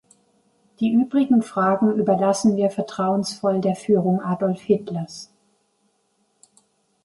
Die übrigen Fragen überlassen wir vertrauensvoll der Führung Adolf Hitlers“.